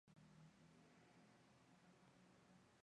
La cara-B del vinilo es la canción "Thug Passion".